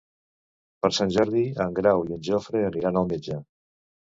Per Sant Jordi en Grau i en Jofre aniran al metge.